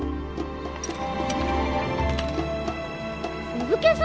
お武家様！？